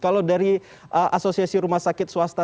kalau dari asosiasi rumah sakit swasta